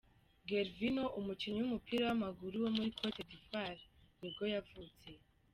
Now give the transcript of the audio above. Gervinho, umukinnyi w’umupira w’amaguru wo muri Cote d’ivoire ni bwo yavutse.